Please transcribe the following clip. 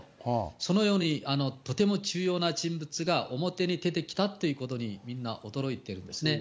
そのようにとても重要な人物が表に出てきたということに、みんな驚いてるんですね。